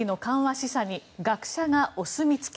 示唆に学者がお墨付き。